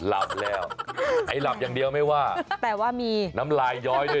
หลับแล้วไอ้หลับอย่างเดียวไม่ว่าแต่ว่ามีน้ำลายย้อยด้วย